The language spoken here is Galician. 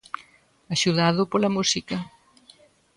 Axudado pola música.